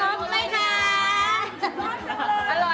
อร่อยจังเลย